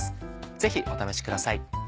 ぜひお試しください。